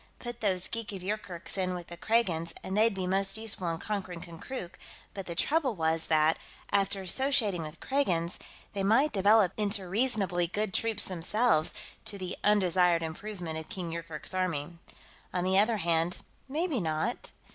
Put those geeks of Yoorkerk's in with the Kragans and they'd be most useful in conquering Konkrook, but the trouble was that, after associating with Kragans, they might develop into reasonably good troops themselves, to the undesired improvement of King Yoorkerk's army. On the other hand maybe not.